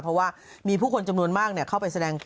เพราะว่ามีผู้คนจำนวนมากเข้าไปแสดง